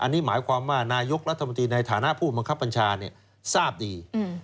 ที่หมายความว่านายกรัฐบาลในฐานะผู้บังคับปัญชาทราบดี